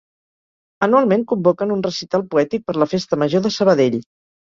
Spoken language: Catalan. Anualment convoquen un recital poètic per la Festa Major de Sabadell.